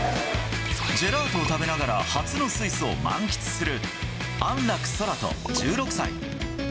ジェラートを食べながら、初のスイスを満喫する安楽宙斗１６歳。